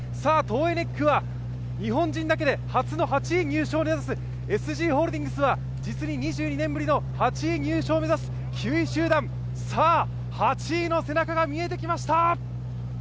トーエネックは日本人だけで初の８位入賞を目指すＳＧホールディングスは実に２５年ぶりの８位入賞を目指す９位集団、８位の背中が見えてきました。